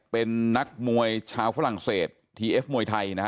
เป็นนักมวยชาวฝรั่งเศสทีเอฟมวยไทยนะฮะ